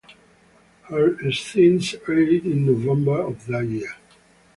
Her scenes aired in November of that year.